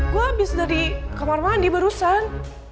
gue habis dari kamar mandi barusan